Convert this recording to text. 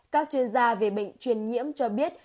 các chuyên gia về bệnh truyền nhiễm cho biết